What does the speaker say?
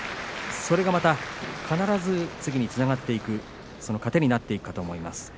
それがまた次につながっていく糧になっているかと思います。